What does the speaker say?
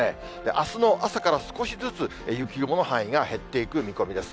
あすの朝から少しずつ、雪雲の範囲が減っていく見込みです。